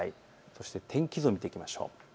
そして天気図を見ていきましょう。